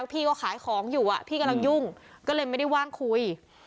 พี่ก็ขายของอยู่พี่กำลังยุ่งก็เลยไม่ได้ว่างคุย